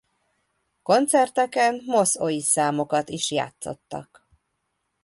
Koncerteken Mos-Oi számokat is játszottak.